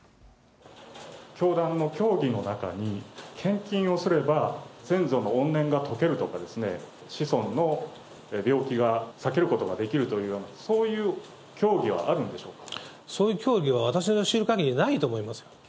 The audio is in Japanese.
教団の教義の中に、献金をすれば、先祖の怨念が解けるとかですね、子孫の病気が避けることができるというような、そういう教そういう教義は、私の知るかぎり、ないと思いますよ。